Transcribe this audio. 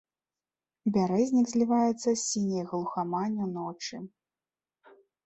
Бярэзнік зліваецца з сіняй глухаманню ночы.